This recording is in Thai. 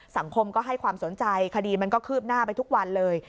สังคมก็ให้ความสนใจคดีมันก็คืบหน้าไปทุกวันเลย